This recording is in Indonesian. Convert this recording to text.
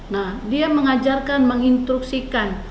nah dia mengajarkan mengintruksikan